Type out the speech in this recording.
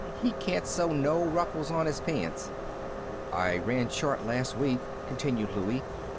He can't sew no ruffles on his pants." "I ran short last week," continued Louie.